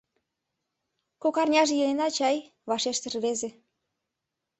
— Кок арняже илена чай... — вашештыш рвезе.